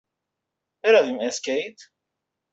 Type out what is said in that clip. برویم اسکیت؟